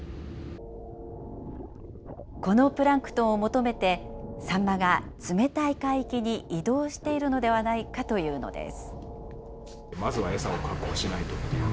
このプランクトンを求めて、サンマが冷たい海域に移動しているのではないかというのです。